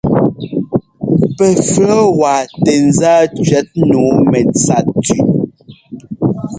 Pɛ flɔ̌wa tɛŋzá cʉ́ɛt nǔu mɛtsa tʉ.